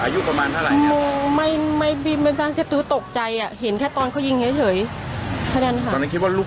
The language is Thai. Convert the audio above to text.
อย่างกินหลังกลับโดนคลุ่มเมือง